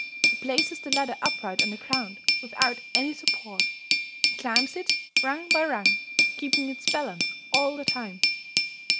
He places the ladder upright on the ground without any support; he climbs it, rung by rung, keeping its balance all the time.